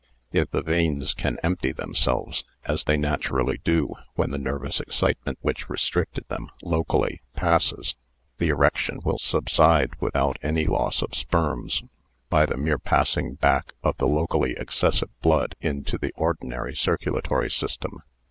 If the veins can empty themselves, as they naturally do when the nervous excitement which restricted them locally passes, the erection will sub side without any loss of sperms, by the mere passing back of the locally excessive blood into the ordinary circulatory system.